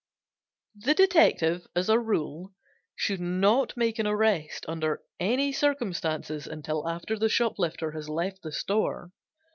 The detective, as a rule, should not make an arrest under any circumstances until after the shoplifter has left the store.